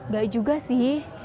gak juga sih